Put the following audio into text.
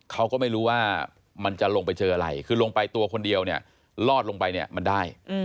เขาก็ไม่รู้ว่ามันจะลงไปเจออะไรคือลงไปตัวคนเดียวเนี่ยลอดลงไปเนี่ยมันได้